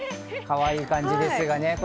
かわいい感じですがね。